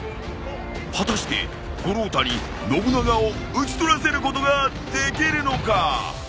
果たして五郎太に信長を討ち取らせることができるのか！？